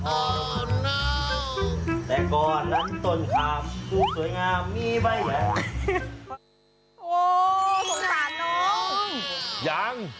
โอ้โอ้โอ้โอ้